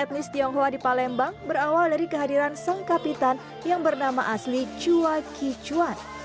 etnis tionghoa di palembang berawal dari kehadiran sang kapitan yang bernama asli chua kichuan